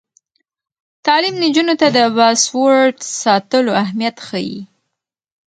تعلیم نجونو ته د پاسورډ ساتلو اهمیت ښيي.